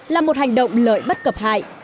là một hành động lợi bất cập hại